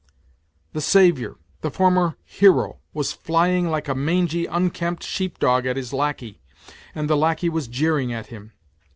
The saviour, the former hero, was flying like a mangy, unkempt sheep dog at his lackey, and the lackey was jeering at him